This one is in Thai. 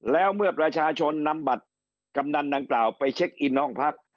แล้วเมื่อประชาชนนำบัตรกำนันดังกล่าวไปเช็คอินห้องพัก